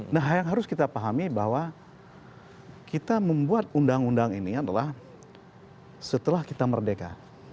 nah yang harus kita pahami bahwa kita membuat undang undang ini adalah setelah kita merdeka